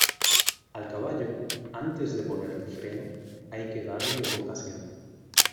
Al caballo, antes de ponerle freno, hay que darle educación.